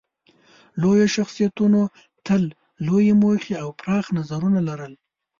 لویو شخصیتونو تل لویې موخې او پراخ نظرونه لرل.